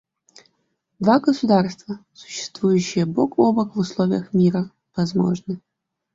Два государства, существующие бок о бок в условиях мира, возможны.